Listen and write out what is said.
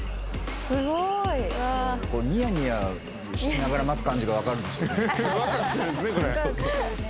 すごい。ニヤニヤしながら待つ感じが分かるんですよね。